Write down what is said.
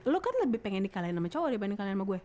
lo kan lebih pengen dikalahin sama cowok dibanding kalahin sama gue